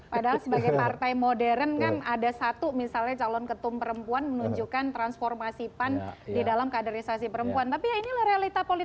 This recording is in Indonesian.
padahal sebagai partai modern kan ada satu misalnya calon ketum perempuan menunjukkan transformasi pan di dalam kaderisasi perempuan